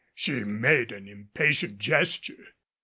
She made an impatient gesture.